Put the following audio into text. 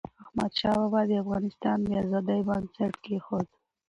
احمدشاه بابا د افغانستان د ازادی بنسټ کېښود.